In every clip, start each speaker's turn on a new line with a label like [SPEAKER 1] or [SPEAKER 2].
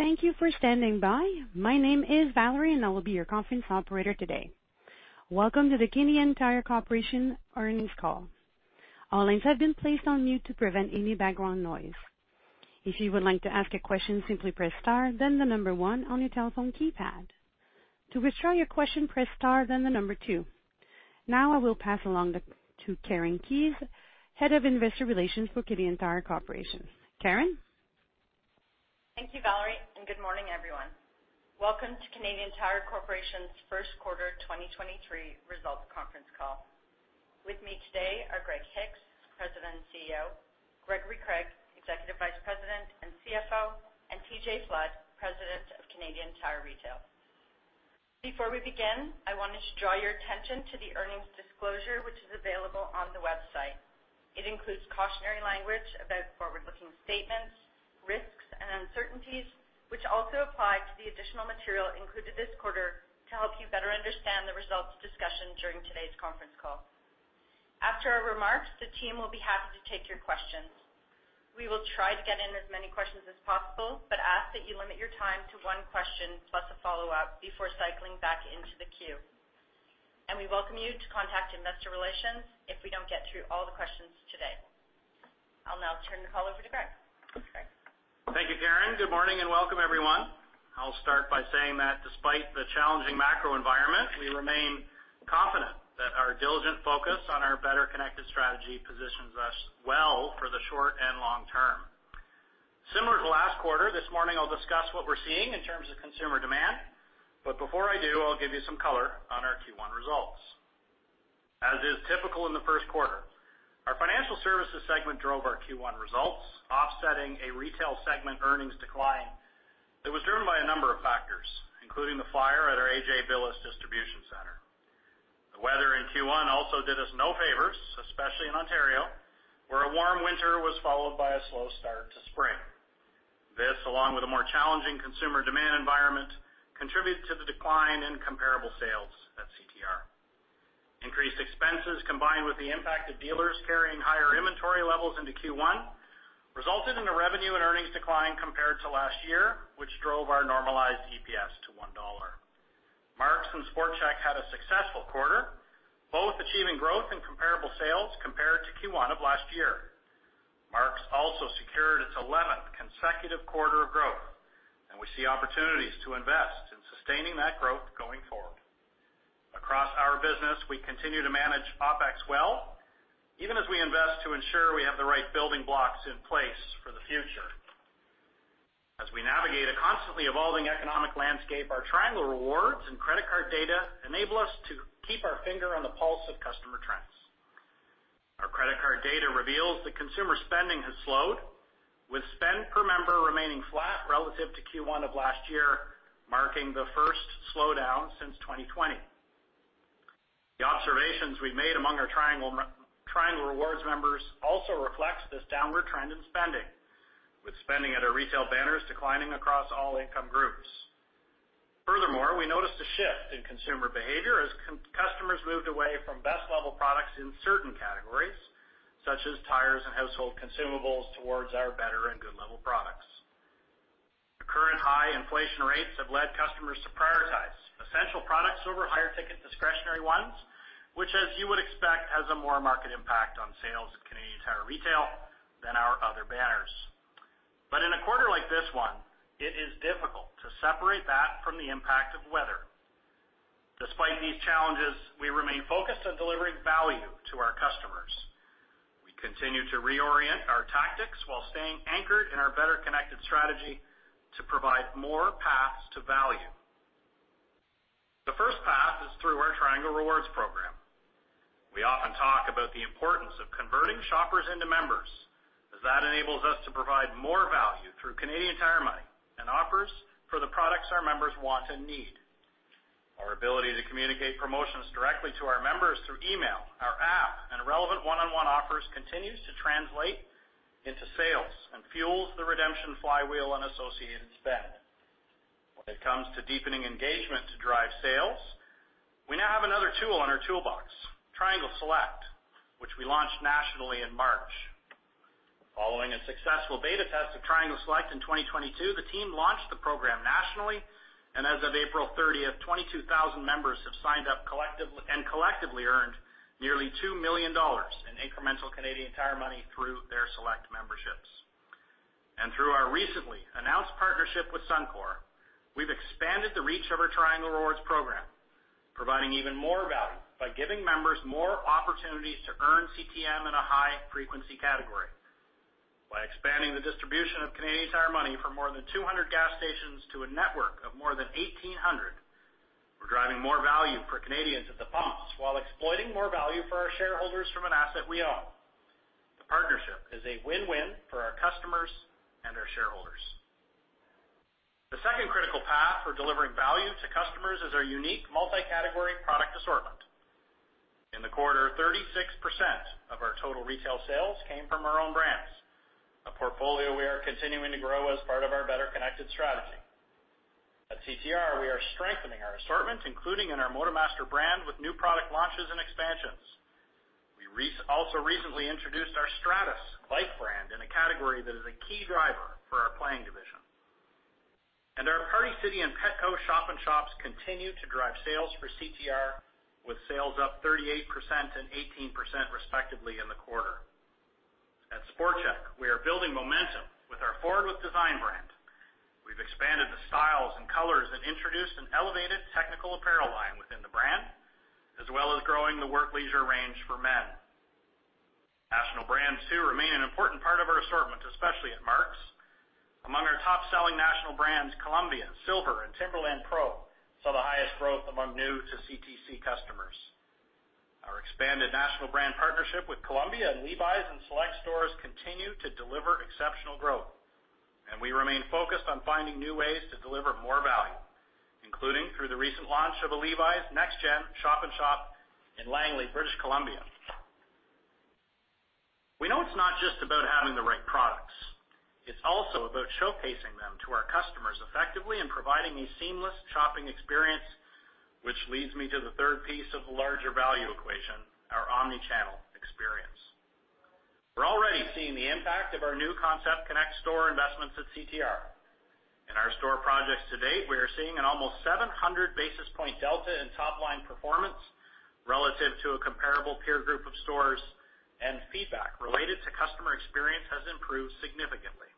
[SPEAKER 1] Thank you for standing by. My name is Valerie, and I will be your conference operator today. Welcome to the Canadian Tire Corporation earnings call. All lines have been placed on mute to prevent any background noise. If you would like to ask a question, simply press star then 1 on your telephone keypad. To withdraw your question, press star then two. Now I will pass along to Karen Keyes, Head of Investor Relations for Canadian Tire Corporation. Karen.
[SPEAKER 2] Thank you, Valerie, and good morning, everyone. Welcome to Canadian Tire Corporation's Q1 2023 results conference call. With me today are Greg Hicks, President and CEO, Gregory Craig, Executive Vice President and CFO, and TJ Flood, President of Canadian Tire Retail. Before we begin, I want to draw your attention to the earnings disclosure, which is available on the website. It includes cautionary language about forward-looking statements, risks, and uncertainties, which also apply to the additional material included this quarter to help you better understand the results discussion during today's conference call. After our remarks, the team will be happy to take your questions. We will try to get in as many questions as possible, but ask that you limit your time to one question plus a follow-up before cycling back into the queue. We welcome you to contact investor relations if we don't get through all the questions today. I'll now turn the call over to Greg. Greg.
[SPEAKER 3] Thank you, Karen. Welcome, everyone. I'll start by saying that despite the challenging macro environment, we remain confident that our diligent focus on our Better Connected strategy positions us well for the short and long term. Similar to last quarter, this morning I'll discuss what we're seeing in terms of consumer demand. Before I do, I'll give you some color on our Q1 results. As is typical in the Q1, our financial services segment drove our Q1 results, offsetting a retail segment earnings decline that was driven by a number of factors, including the fire at our A.J. Billes distribution center. The weather in Q1 also did us no favors, especially in Ontario, where a warm winter was followed by a slow start to spring. This, along with a more challenging consumer demand environment, contributed to the decline in comparable sales at CTR. Increased expenses combined with the impact of dealers carrying higher inventory levels into Q1 resulted in a revenue and earnings decline compared to last year, which drove our normalized EPS to 1 dollar. Mark's and Sport Chek had a successful quarter, both achieving growth and comparable sales compared to Q1 of last year. Mark's also secured its 11th consecutive quarter of growth, and we see opportunities to invest in sustaining that growth going forward. Across our business, we continue to manage OpEx well, even as we invest to ensure we have the right building blocks in place for the future. As we navigate a constantly evolving economic landscape, our Triangle Rewards and credit card data enable us to keep our finger on the pulse of customer trends. Our credit card data reveals that consumer spending has slowed, with spend per member remaining flat relative to Q1 of last year, marking the first slowdown since 2020. The observations we made among our Triangle Rewards members also reflects this downward trend in spending, with spending at our retail banners declining across all income groups. Furthermore, we noticed a shift in consumer behavior as customers moved away from best level products in certain categories, such as tires and household consumables, towards our better and good level products. The current high inflation rates have led customers to prioritize essential products over higher ticket discretionary ones, which as you would expect, has a more market impact on sales at Canadian Tire Retail than our other banners. In a quarter like this one, it is difficult to separate that from the impact of weather. Despite these challenges, we remain focused on delivering value to our customers. We continue to reorient our tactics while staying anchored in our Better Connected strategy to provide more paths to value. The first path is through our Triangle Rewards program. We often talk about the importance of converting shoppers into members, as that enables us to provide more value through Canadian Tire Money and offers for the products our members want and need. Our ability to communicate promotions directly to our members through email, our app, and relevant one-on-one offers continues to translate into sales and fuels the redemption flywheel and associated spend. When it comes to deepening engagement to drive sales, we now have another tool in our toolbox, Triangle Select, which we launched nationally in March. Following a successful beta test of Triangle Select in 2022, the team launched the program nationally, and as of April 30th, 22,000 members have signed up and collectively earned nearly 2 million dollars in incremental Canadian Tire Money through their Select memberships. Through our recently announced partnership with Suncor, we've expanded the reach of our Triangle Rewards program, providing even more value by giving members more opportunities to earn CTM in a high-frequency category. By expanding the distribution of Canadian Tire Money for more than 200 gas stations to a network of more than 1,800, we're driving more value for Canadians at the pumps while exploiting more value for our shareholders from an asset we own. The partnership is a win-win for our customers and our shareholders. The second critical path for delivering value to customers is our unique multi-category product assortment. In the quarter, 36% of our total retail sales came from our own brands, a portfolio we are continuing to grow as part of our Better Connected strategy. At CTR, we are strengthening our assortments, including in our MotoMaster brand with new product launches and expansions. We also recently introduced our Stratus bike brand in a category that is a key driver for our playing division. Our Party City and Petco shop-in-shops continue to drive sales for CTR, with sales up 38% and 18% respectively in the quarter. At Sport Chek, we are building momentum with our Forward With Design brand. We've expanded the styles and colors and introduced an elevated technical apparel line within the brand, as well as growing the work leisure range for men. National brands too remain an important part of our assortment, especially at Mark's. Among our top-selling national brands, Columbia, Silver, and Timberland PRO saw the highest growth among new-to-CTC customers. Our expanded national brand partnership with Columbia and Levi's in select stores continue to deliver exceptional growth, and we remain focused on finding new ways to deliver more value, including through the recent launch of a Levi's next gen shop-in-shop in Langley, British Columbia. We know it's not just about having the right products. It's also about showcasing them to our customers effectively and providing a seamless shopping experience, which leads me to the third piece of the larger value equation, our omni-channel experience. We're already seeing the impact of our new Concept Connect store investments at CTR. In our store projects to date, we are seeing an almost 700 basis point delta in top-line performance relative to a comparable peer group of stores, and feedback related to customer experience has improved significantly.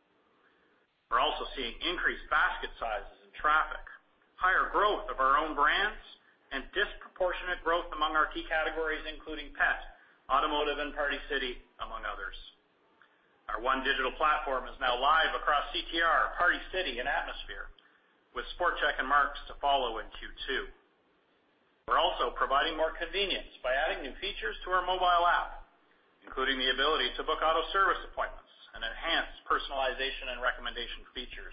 [SPEAKER 3] We're also seeing increased basket sizes and traffic, higher growth of our own brands, and disproportionate growth among our key categories, including pet, automotive, and Party City, among others. Our one digital platform is now live across CTR, Party City and Atmosphere, with Sport Chek and Mark's to follow in Q2. We're also providing more convenience by adding new features to our mobile app, including the ability to book auto service appointments and enhance personalization and recommendation features.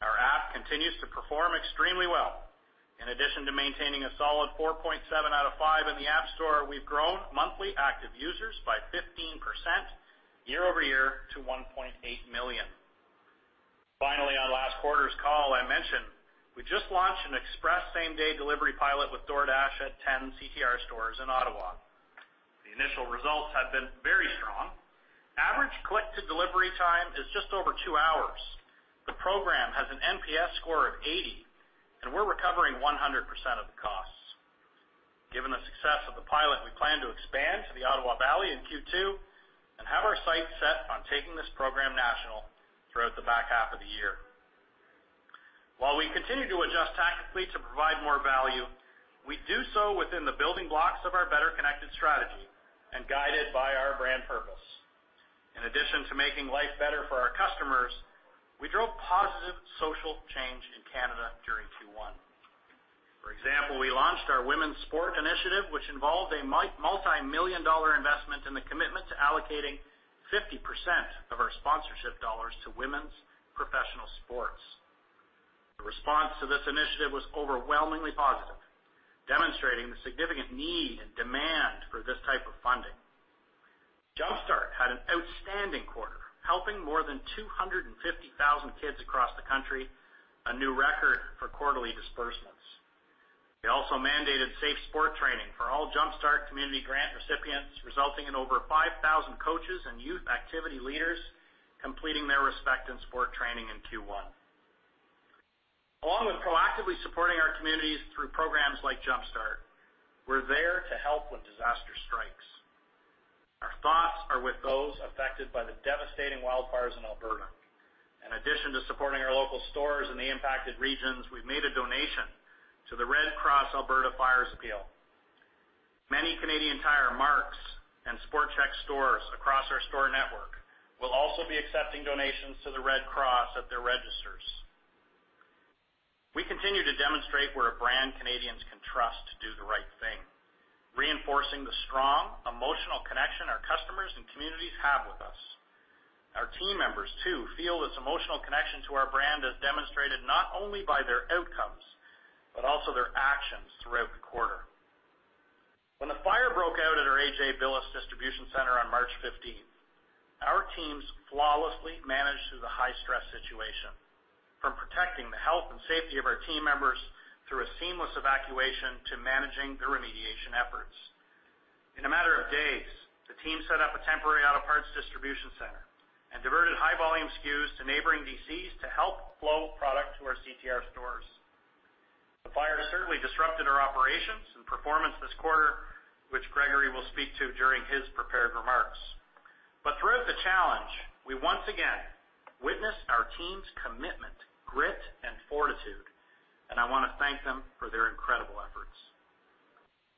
[SPEAKER 3] Our app continues to perform extremely well. In addition to maintaining a solid 4.7 out of 5 in the App Store, we've grown monthly active users by 15% year-over-year to 1.8 million. Finally, on last quarter's call, I mentioned we just launched an express same-day delivery pilot with DoorDash at 10 CTR stores in Ottawa. The initial results have been very strong. Average click-to-delivery time is just over two hours. The program has an NPS score of 80, and we're recovering 100% of the costs. Given the success of the pilot, we plan to expand to the Ottawa Valley in Q2 and have our sights set on taking this program national throughout the back half of the year. While we continue to adjust tactically to provide more value, we do so within the building blocks of our Better Connected strategy and guided by our brand purpose. In addition to making life better for our customers, we drove positive social change in Canada during Q1. For example, we launched our women's sport initiative, which involved a multimillion-dollar investment and the commitment to allocating 50% of our sponsorship dollars to women's professional sports. The response to this initiative was overwhelmingly positive, demonstrating the significant need and demand for this type of funding. Jumpstart had an outstanding quarter, helping more than 250,000 kids across the country, a new record for quarterly disbursements. We also mandated Safe Sport Training for all Jumpstart community grant recipients, resulting in over 5,000 coaches and youth activity leaders completing their Respect in Sport training in Q1. Along with proactively supporting our communities through programs like Jumpstart, we're there to help when disaster strikes. Our thoughts are with those affected by the devastating wildfires in Alberta. In addition to supporting our local stores in the impacted regions, we've made a donation to the Red Cross Alberta Fires Appeal. Many Canadian Tire, Mark's, and Sport Chek stores across our store network will also be accepting donations to the Red Cross at their registers. We continue to demonstrate we're a brand Canadians can trust to do the right thing, reinforcing the strong emotional connection our customers and communities have with us. Our team members, too, feel this emotional connection to our brand as demonstrated not only by their outcomes, but also their actions throughout the quarter. When the fire broke out at our A.J. Billes Distribution Centre on March 15th, our teams flawlessly managed through the high-stress situation, from protecting the health and safety of our team members through a seamless evacuation to managing the remediation efforts. In a matter of days, the team set up a temporary auto parts distribution center and diverted high volume SKUs to neighboring DCs to help flow product to our CTR stores. The fire certainly disrupted our operations and performance this quarter, which Gregory will speak to during his prepared remarks. Throughout the challenge, we once again witnessed our team's commitment, grit, and fortitude, and I want to thank them for their incredible efforts.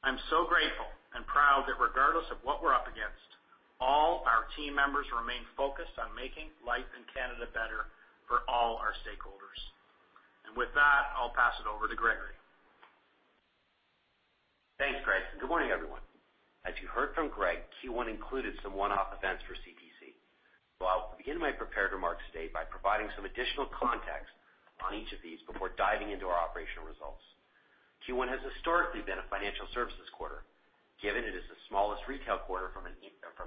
[SPEAKER 3] I'm so grateful and proud that regardless of what we're up against, all our team members remain focused on making life in Canada better for all our stakeholders. With that, I'll pass it over to Gregory.
[SPEAKER 4] Thanks, Greg. Good morning, everyone. As you heard from Greg, Q1 included some one-off events for CTC. I'll begin my prepared remarks today by providing some additional context on each of these before diving into our operational results. Q1 has historically been a financial services quarter, given it is the smallest retail quarter from an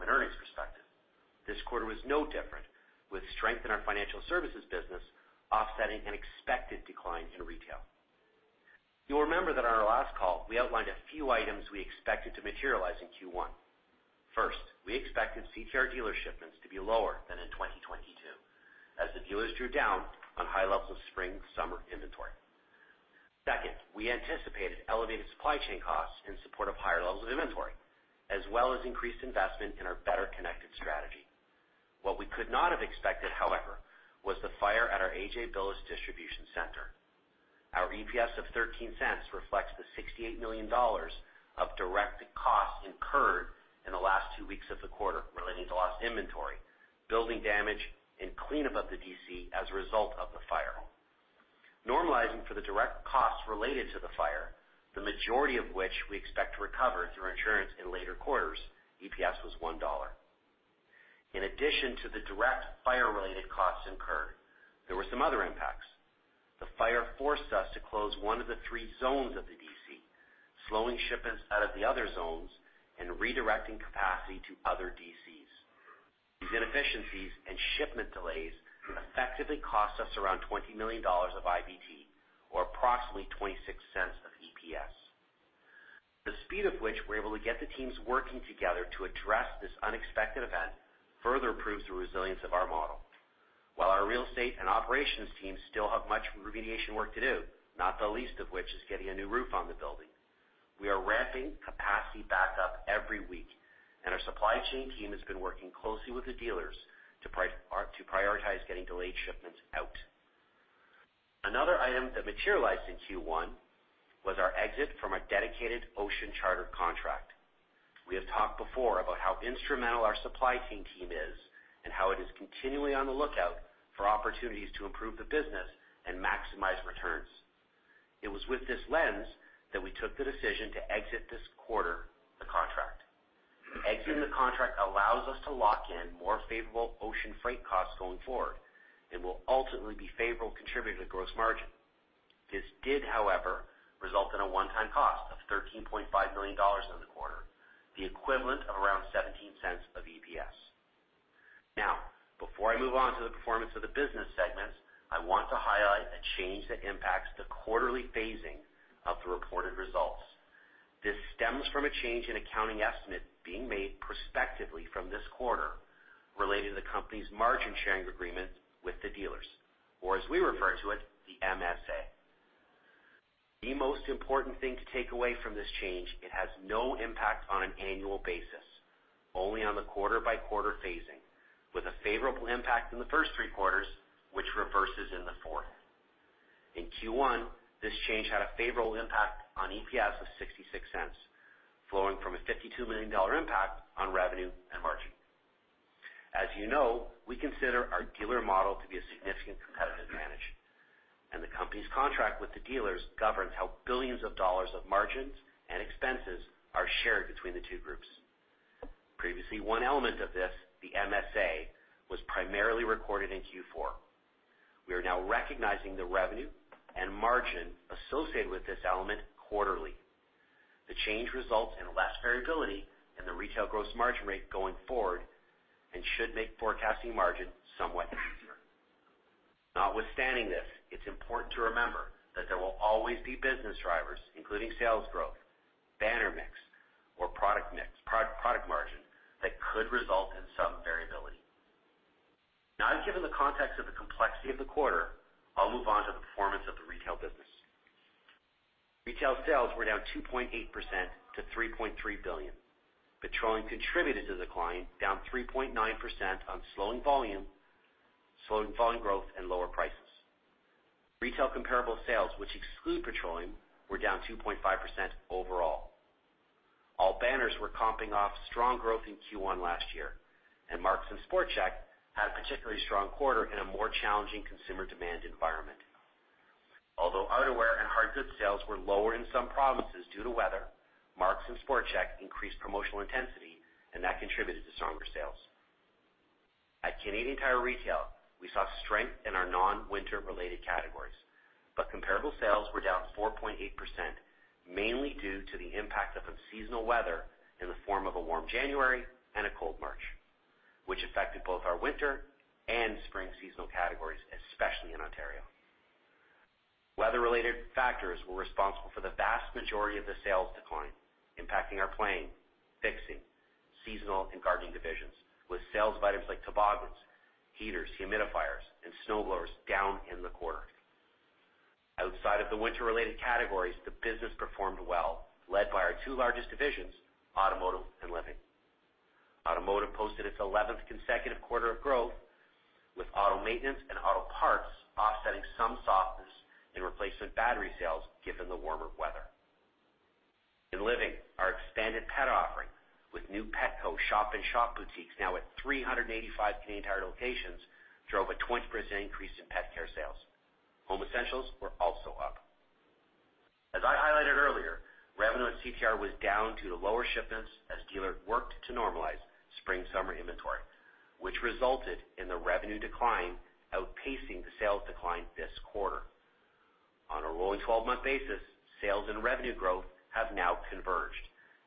[SPEAKER 4] earnings perspective. This quarter was no different, with strength in our financial services business offsetting an expected decline in retail. You'll remember that on our last call, we outlined a few items we expected to materialize in Q1. First, we expected CTR dealer shipments to be lower than in 2022, as the dealers drew down on high levels of spring/summer inventory. Second, we anticipated elevated supply chain costs in support of higher levels of inventory, as well as increased investment in our Better Connected strategy. What we could not have expected, however, was the fire at our A.J. Billes distribution center. Our EPS of 0.13 reflects the 68 million dollars of direct costs incurred in the last 2 weeks of the quarter relating to lost inventory, building damage, and cleanup of the DC as a result of the fire. Normalizing for the direct costs related to the fire, the majority of which we expect to recover through insurance in later quarters, EPS was 1 dollar. In addition to the direct fire-related costs incurred, there were some other impacts. The fire forced us to close 1 of the 3 zones of the DC, slowing shipments out of the other zones and redirecting capacity to other DCs. These inefficiencies and shipment delays effectively cost us around 20 million dollars of IBT or approximately 0.26 of EPS. The speed of which we're able to get the teams working together to address this unexpected event further proves the resilience of our model. While our real estate and operations teams still have much remediation work to do, not the least of which is getting a new roof on the building, we are ramping capacity back up every week, and our supply chain team has been working closely with the dealers to prioritize getting delayed shipments out. Another item that materialized in Q1 was our exit from our dedicated ocean charter contract. We have talked before about how instrumental our supply chain team is and how it is continually on the lookout for opportunities to improve the business and maximize returns. It was with this lens that we took the decision to exit this quarter the contract. Exiting the contract allows us to lock in more favorable ocean freight costs going forward and will ultimately be favorable contributor to gross margin. This did, however, result in a one-time cost of 13.5 million dollars in the quarter, the equivalent of around 0.17 of EPS. Before I move on to the performance of the business segments, I want to highlight a change that impacts the quarterly phasing of the reported results. This stems from a change in accounting estimate being made prospectively from this quarter related to the company's margin sharing agreement with the dealers, or as we refer to it, the MSA. The most important thing to take away from this change, it has no impact on an annual basis, only on the quarter-by-quarter phasing with a favorable impact in the first three quarters, which reverses in the fourth. In Q1, this change had a favorable impact on EPS of $0.66 flowing from a $52 million impact on revenue and margin. As you know, we consider our dealer model to be a significant competitive advantage, and the company's contract with the dealers governs how billions of dollars of margins and expenses are shared between the two groups. Previously, one element of this, the MSA, was primarily recorded in Q4. We are now recognizing the revenue and margin associated with this element quarterly. The change results in less variability in the retail gross margin rate going forward and should make forecasting margin somewhat easier. Notwithstanding this, it's important to remember that there will always be business drivers, including sales growth, banner mix, or product margin that could result in some variability. Given the context of the complexity of the quarter, I'll move on to the performance of the retail business. Retail sales were down 2.8% to 3.3 billion. Petroleum contributed to the decline, down 3.9% on slowing volume growth and lower prices. Retail comparable sales, which exclude petroleum, were down 2.5% overall. All banners were comping off strong growth in Q1 last year. Mark's and Sport Chek had a particularly strong quarter in a more challenging consumer demand environment. Although outerwear and hard goods sales were lower in some provinces due to weather, Mark's and Sport Chek increased promotional intensity, and that contributed to stronger sales. At Canadian Tire Retail, we saw strength in our non-winter related categories, but comparable sales were down 4.8%, mainly due to the impact of unseasonal weather in the form of a warm January and a cold March, which affected both our winter and spring seasonal categories, especially in Ontario. Weather-related factors were responsible for the vast majority of the sales decline, impacting our playing, fixing, seasonal, and gardening divisions with sales items like toboggans, heaters, humidifiers, and snow blowers down in the quarter. Outside of the winter-related categories, the business performed well, led by our two largest divisions, automotive and living. Automotive posted its 11th consecutive quarter of growth, with auto maintenance and auto parts offsetting some softness in replacement battery sales given the warmer weather. In living, our expanded Petco offering with new Petco shop-in-shop boutiques now at 385 Canadian Tire locations drove a 20% increase in pet care sales. Home essentials were also up. As I highlighted earlier, Revenue at CTR was down to the lower shipments as dealers worked to normalize spring-summer inventory, which resulted in the revenue decline outpacing the sales decline this quarter. On a rolling 12-month basis, sales and revenue growth have now converged,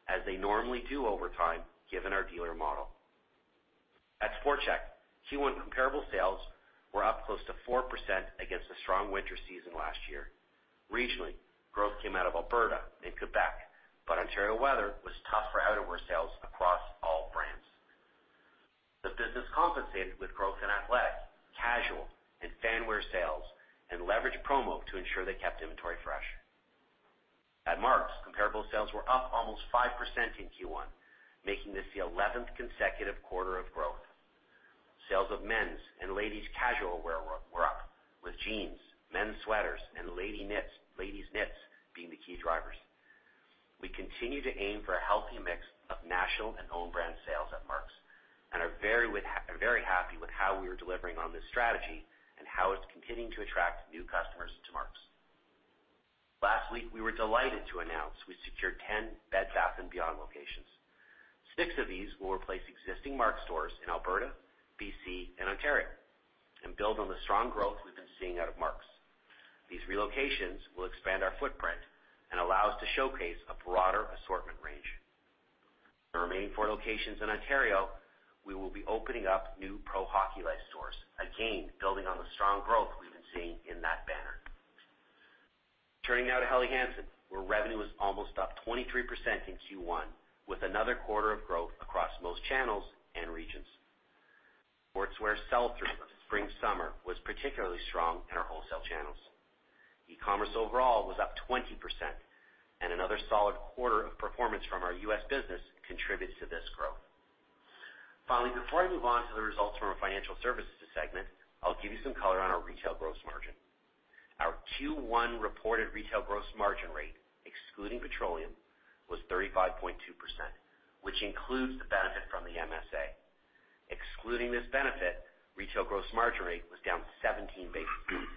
[SPEAKER 4] as they normally do over time given our dealer model. At Sport Chek, Q1 comparable sales were up close to 4% against a strong winter season last year. Regionally, growth came out of Alberta and Quebec, but Ontario weather was tough for outerwear sales across all brands. The business compensated with growth in athletic, casual, and fan wear sales and leveraged promo to ensure they kept inventory fresh. At Mark's, comparable sales were up almost 5% in Q1, making this the 11th consecutive quarter of growth. Sales of men's and ladies' casual wear were up, with jeans, men's sweaters, and ladies' knits being the key drivers. We continue to aim for a healthy mix of national and own brand sales at Mark's and are very happy with how we are delivering on this strategy and how it's continuing to attract new customers to Mark's. Last week, we were delighted to announce we secured 10 Bed Bath & Beyond locations. Six of these will replace existing Mark's stores in Alberta, BC, and Ontario and build on the strong growth we've been seeing out of Mark's. These relocations will expand our footprint and allow us to showcase a broader assortment range. The remaining four locations in Ontario, we will be opening up new Pro Hockey Life stores, again, building on the strong growth we've been seeing in that banner. Turning now to Helly Hansen, where revenue was almost up 23% in Q1, with another quarter of growth across most channels and regions. Sportswear sell-through of spring-summer was particularly strong in our wholesale channels. E-commerce overall was up 20% and another solid quarter of performance from our US business contributes to this growth. Finally, before I move on to the results from our financial services segment, I'll give you some color on our retail gross margin. Our Q1 reported retail gross margin rate, excluding petroleum, was 35.2%, which includes the benefit from the MSA. Excluding this benefit, retail gross margin rate was down 17 basis points.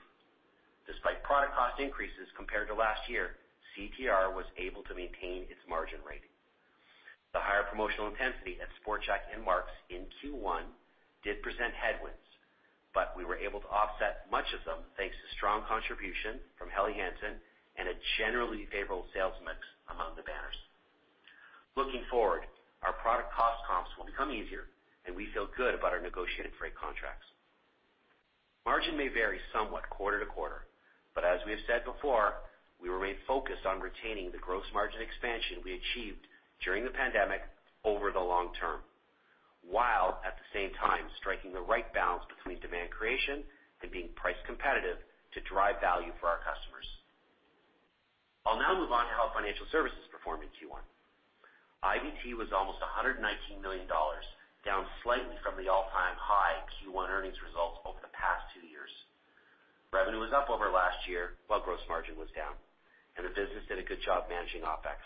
[SPEAKER 4] Despite product cost increases compared to last year, CTR was able to maintain its margin rate. The higher promotional intensity at Sport Chek and Mark's in Q1 did present headwinds, but we were able to offset much of them thanks to strong contribution from Helly Hansen and a generally favorable sales mix among the banners. Looking forward, our product cost comps will become easier, and we feel good about our negotiated freight contracts. Margin may vary somewhat quarter to quarter, but as we have said before, we remain focused on retaining the gross margin expansion we achieved during the pandemic over the long term, while at the same time striking the right balance between demand creation and being price competitive to drive value for our customers. I'll now move on to how financial services performed in Q1. IBT was almost 119 million dollars, down slightly from the all-time high Q1 earnings results over the past two years. Revenue was up over last year, while gross margin was down, and the business did a good job managing OpEx.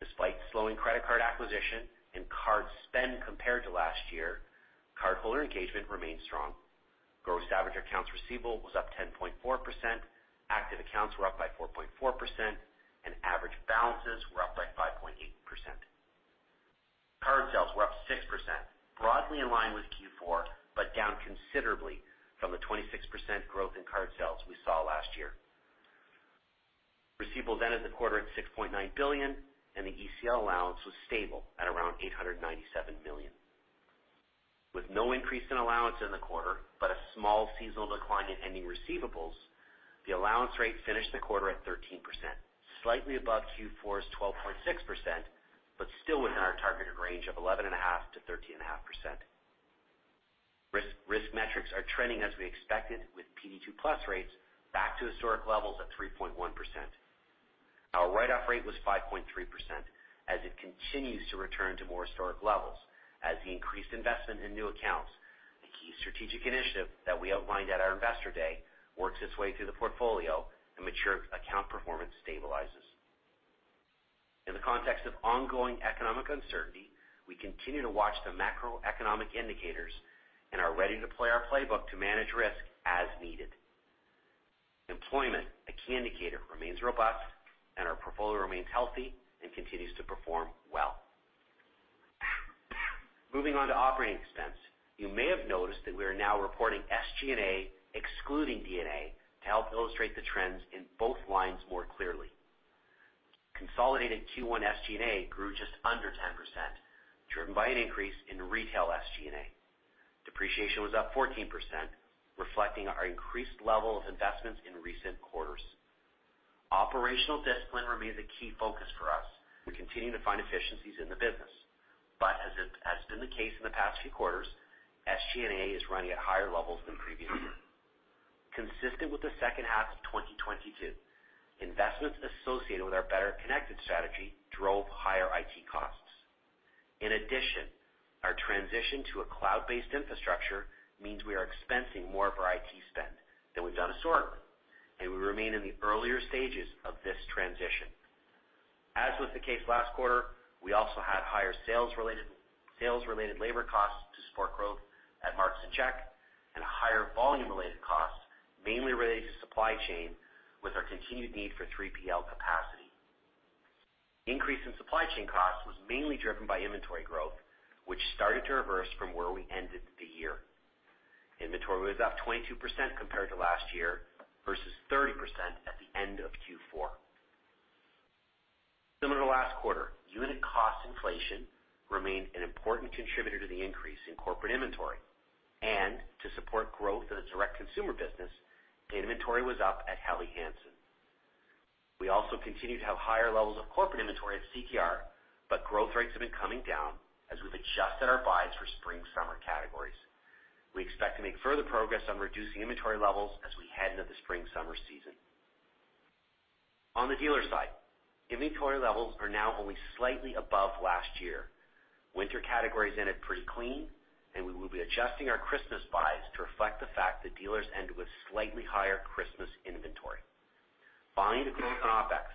[SPEAKER 4] Despite slowing credit card acquisition and card spend compared to last year, cardholder engagement remained strong. Gross average accounts receivable was up 10.4%, active accounts were up by 4.4%, and average balances were up by 5.8%. Card sales were up 6%, broadly in line with Q4, but down considerably from the 26% growth in card sales we saw last year. Receivables ended the quarter at 6.9 billion, and the ECL allowance was stable at around 897 million. With no increase in allowance in the quarter, but a small seasonal decline in ending receivables, the allowance rate finished the quarter at 13%, slightly above Q4's 12.6%, but still within our targeted range of 11.5%-13.5%. Risk metrics are trending as we expected, with PD2+ rates back to historic levels at 3.1%. Our write-off rate was 5.3%, as it continues to return to more historic levels as the increased investment in new accounts, a key strategic initiative that we outlined at our Investor Day, works its way through the portfolio and mature account performance stabilizes. In the context of ongoing economic uncertainty, we continue to watch the macroeconomic indicators and are ready to play our playbook to manage risk as needed. Employment, a key indicator, remains robust and our portfolio remains healthy and continues to perform well. Moving on to operating expense. You may have noticed that we are now reporting SG&A excluding D&A to help illustrate the trends in both lines more clearly. Consolidated Q1 SG&A grew just under 10%, driven by an increase in retail SG&A. Depreciation was up 14%, reflecting our increased level of investments in recent quarters. Operational discipline remains a key focus for us. We continue to find efficiencies in the business, but as has been the case in the past few quarters, SG&A is running at higher levels than previously. Consistent with the second half of 2022, investments associated with our Better Connected strategy drove higher IT costs. In addition, our transition to a cloud-based infrastructure means we are expensing more of our IT spend than we've done historically. We remain in the earlier stages of this transition. As was the case last quarter, we also had higher Sales-related labor costs to support growth at Mark's and Sport Chek and higher volume-related costs, mainly related to supply chain with our continued need for 3PL capacity. Increase in supply chain costs was mainly driven by inventory growth, which started to reverse from where we ended the year. Inventory was up 22% compared to last year versus 30% at the end of Q4. Similar to last quarter, unit cost inflation remained an important contributor to the increase in corporate inventory. To support growth of the direct consumer business, the inventory was up at Helly Hansen. We also continued to have higher levels of corporate inventory at CTR, but growth rates have been coming down as we've adjusted our buys for spring/summer categories. We expect to make further progress on reducing inventory levels as we head into the spring/summer season. On the dealer side, inventory levels are now only slightly above last year. Winter categories ended pretty clean, and we will be adjusting our Christmas buys to reflect the fact that dealers end with slightly higher Christmas inventory. Finally, the growth in OpEx,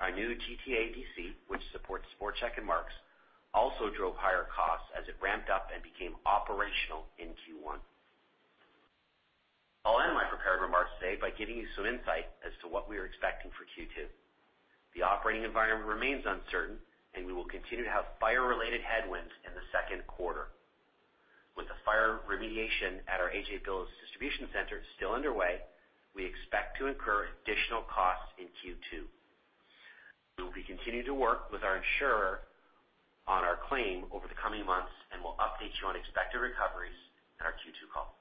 [SPEAKER 4] our new GTA DC, which supports Sport Chek and Mark's, also drove higher costs as it ramped up and became operational in Q1. I'll end my prepared remarks today by giving you some insight as to what we are expecting for Q2. The operating environment remains uncertain, and we will continue to have fire-related headwinds in the Q2. With the fire remediation at our A.J. Billes distribution center still underway, we expect to incur additional costs in Q2. We will be continuing to work with our insurer on our claim over the coming months, we'll update you on expected recoveries in our Q2 call.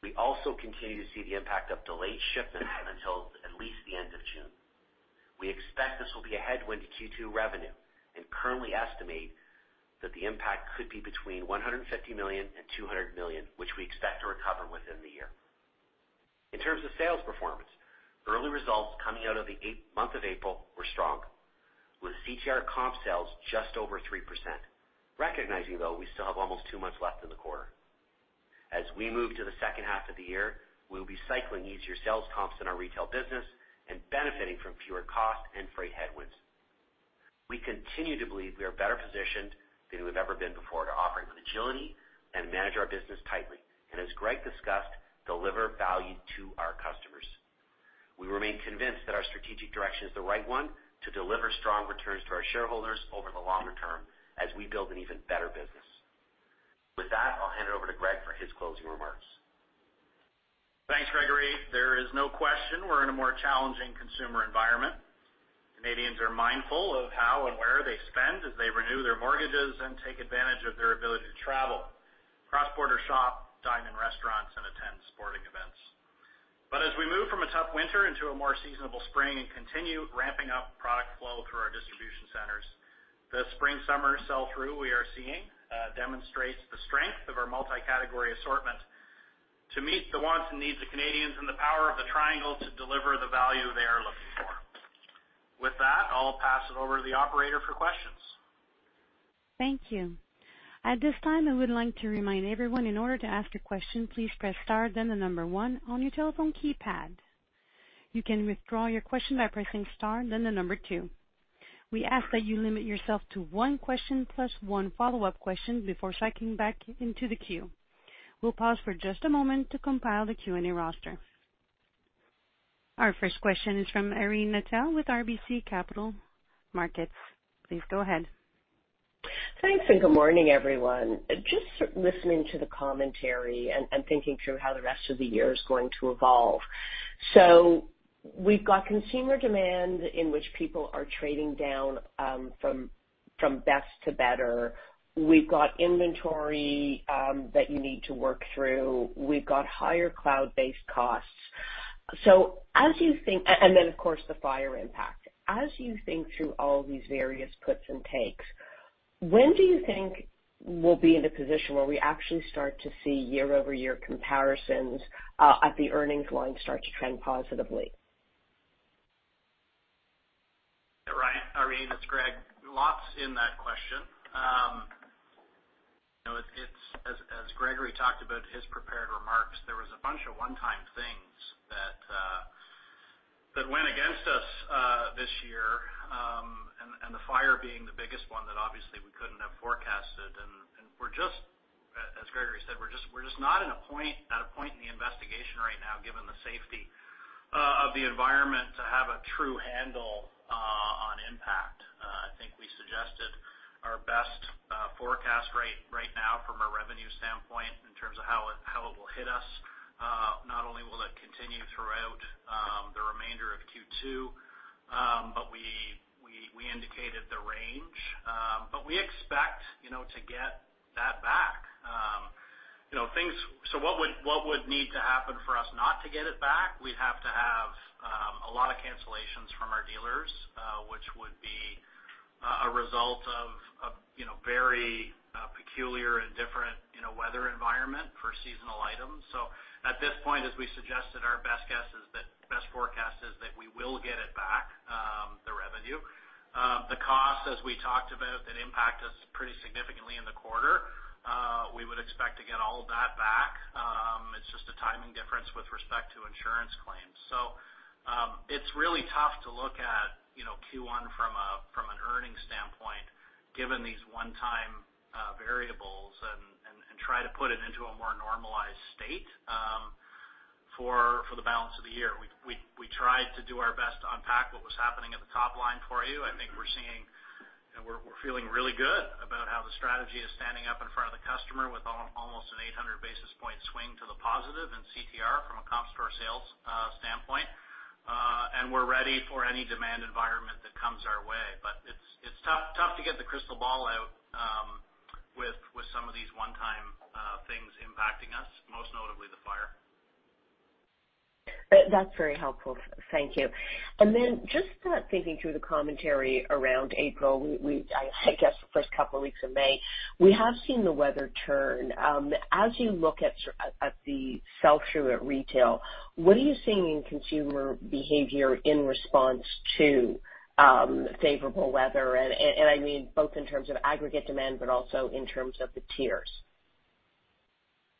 [SPEAKER 4] We also continue to see the impact of delayed shipments until at least the end of June. We expect this will be a headwind to Q2 revenue and currently estimate that the impact could be between 150 million and 200 million, which we expect to recover within the year. In terms of sales performance, early results coming out of the month of April were strong, with CTR comp sales just over 3%, recognizing, though, we still have almost two months left in the quarter. As we move to the second half of the year, we'll be cycling easier sales comps in our retail business and benefiting from fewer costs and freight headwinds. We continue to believe we are better positioned than we've ever been before to operate with agility and manage our business tightly and, as Greg discussed, deliver value to our customers. We remain convinced that our strategic direction is the right one to deliver strong returns to our shareholders over the longer term as we build an even better business. With that, I'll hand it over to Greg for his closing remarks.
[SPEAKER 3] Thanks, Gregory. There is no question we're in a more challenging consumer environment. Canadians are mindful of how and where they spend as they renew their mortgages and take advantage of their ability to travel, cross-border shop, dine in restaurants, and attend sporting events. As we move from a tough winter into a more seasonable spring and continue ramping up product flow through our distribution centers, the spring/summer sell-through we are seeing demonstrates the strength of our multi-category assortment to meet the wants and needs of Canadians and the power of the Triangle to deliver the value they are looking for. With that, I'll pass it over to the operator for questions.
[SPEAKER 1] Thank you. At this time, I would like to remind everyone in order to ask a question, please press star then the 1 on your telephone keypad. You can withdraw your question by pressing star then the 2. We ask that you limit yourself to 1 question plus 1 follow-up question before cycling back into the queue. We'll pause for just a moment to compile the Q&A roster. Our first question is from Irene Nattel with RBC Capital Markets. Please go ahead.
[SPEAKER 5] Thanks, and good morning, everyone. Just listening to the commentary and thinking through how the rest of the year is going to evolve. We've got consumer demand in which people are trading down from Best to Better. We've got inventory that you need to work through. We've got higher cloud-based costs. Of course, the fire impact. As you think through all these various puts and takes, when do you think we'll be in a position where we actually start to see year-over-year comparisons at the earnings line start to trend positively?
[SPEAKER 3] Right. Irene, it's Greg. Lots in that question. You know, it's As Gregory talked about in his prepared remarks, there was a bunch of one-time things that went against us this year. The fire being the biggest one that obviously we couldn't have forecasted. We're just As Gregory said, we're just not at a point in the investigation right now, given the safety of the environment to have a true handle on impact. I think we suggested our best forecast right now from a revenue standpoint in terms of how it will hit us. Not only will it continue throughout the remainder of Q2, but we indicated the range. We expect, you know, to get that back. You know, what would need to happen for us not to get it back? We'd have to have a lot of cancellations from our dealers, which would be a result of, you know, very peculiar and different, you know, weather environment for seasonal items. At this point, as we suggested, our best guess is that best forecast is that we will get it back, the revenue. The cost, as we talked about, that impact us pretty significantly in All of that back. It's just a timing difference with respect to insurance claims. It's really tough to look at, you know, Q1 from a, from an earnings standpoint, given these one-time variables and try to put it into a more normalized state for the balance of the year. We tried to do our best to unpack what was happening at the top line for you. I think we're seeing and we're feeling really good about how the strategy is standing up in front of the customer with almost an 800 basis point swing to the positive in CTR from a comp store sales standpoint. And we're ready for any demand environment that comes our way. It's tough to get the crystal ball out with some of these one-time things impacting us, most notably the fire.
[SPEAKER 5] That's very helpful. Thank you. Then just, thinking through the commentary around April, I guess the first couple of weeks of May, we have seen the weather turn. As you look at the sell-through at retail, what are you seeing in consumer behavior in response to favorable weather? I mean both in terms of aggregate demand, but also in terms of the tiers.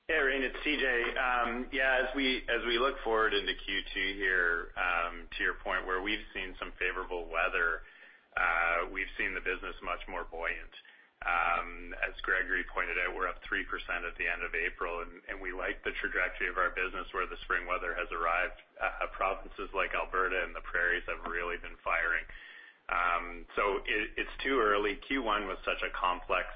[SPEAKER 6] Hey, Irene, it's TJ. Yeah, as we, as we look forward into Q2 here, to your point where we've seen some favorable weather, we've seen the business much more buoyant. As Gregory pointed out, we're up 3% at the end of April, and we like the trajectory of our business where the spring weather has arrived. Provinces like Alberta and the Prairies have really been firing. It's too early. Q1 was such a complex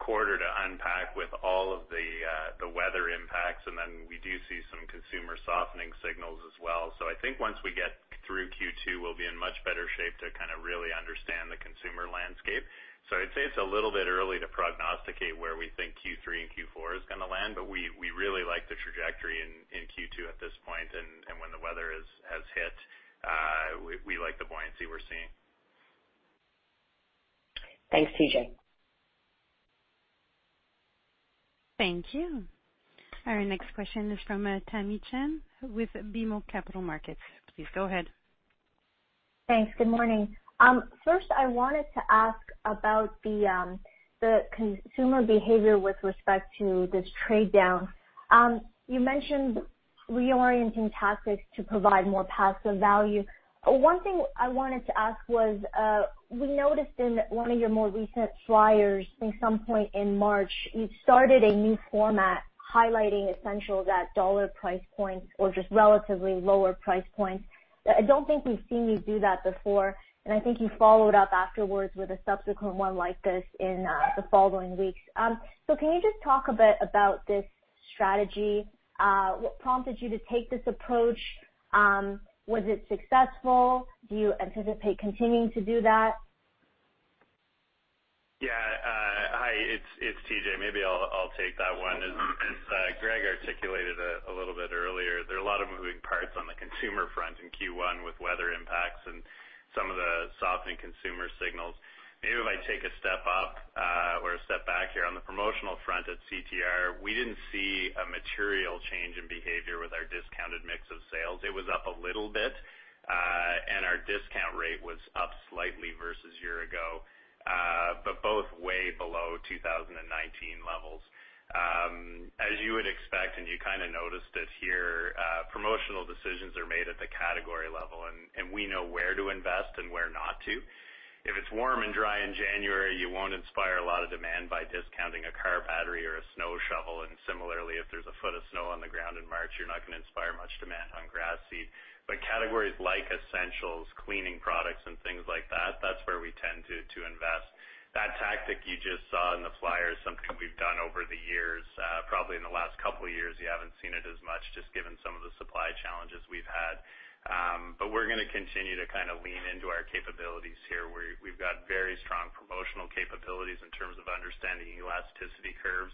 [SPEAKER 6] quarter to unpack with all of the weather impacts. We do see some consumer softening signals as well. I think once we get through Q2, we'll be in much better shape to kind of really understand the consumer landscape. I'd say it's a little bit early to prognosticate where we think Q3 and Q4 is gonna land, but we really like the trajectory in Q2 at this point. And when the weather has hit, we like the buoyancy we're seeing.
[SPEAKER 5] Thanks, TJ.
[SPEAKER 1] Thank you. Our next question is from Tamy Chen with BMO Capital Markets. Please go ahead.
[SPEAKER 7] Thanks. Good morning. First, I wanted to ask about the consumer behavior with respect to this trade down. You mentioned reorienting tactics to provide more paths of value. One thing I wanted to ask was, we noticed in one of your more recent flyers, I think some point in March, you started a new format highlighting essentials at dollar price points or just relatively lower price points. I don't think we've seen you do that before, and I think you followed up afterwards with a subsequent one like this in the following weeks. Can you just talk a bit about this strategy? What prompted you to take this approach? Was it successful? Do you anticipate continuing to do that?
[SPEAKER 6] Yeah. Hi, it's TJ. Maybe I'll take that one. As Greg articulated a little bit earlier, there are a lot of moving parts on the consumer front in Q1 with weather impacts and some of the softening consumer signals. Maybe if I take a step up or a step back here. On the promotional front at CTR, we didn't see a material change in behavior with our discounted mix of sales. It was up a little bit, and our discount rate was up slightly versus year ago, but both way below 2019 levels. As you would expect, and you kinda noticed it here, promotional decisions are made at the category level, and we know where to invest and where not to. If it's warm and dry in January, you won't inspire a lot of demand by discounting a car battery or a snow shovel. Similarly, if there's a foot of snow on the ground in March, you're not gonna inspire much demand on grass seed. Categories like essentials, cleaning products and things like that's where we tend to invest. That tactic you just saw in the flyer is something we've done over the years. Probably in the last couple of years, you haven't seen it as much just given some of the supply challenges we've had. We're gonna continue to kind of lean into our capabilities here, where we've got very strong promotional capabilities in terms of understanding elasticity curves.